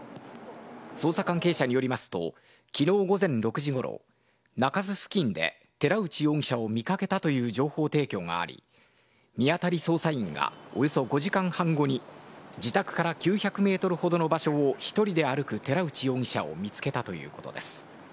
捜査関係者によりますと昨日午前６時ごろ中洲付近で寺内容疑者を見かけたという情報提供があり見当たり捜査員がおよそ５時間半後に自宅から９００ｍほどの場所を１人で歩く寺内容疑者を見つけたということです。